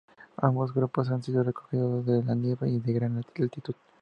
Ambos grupos han sido recogidos de la nieve y a gran altitud.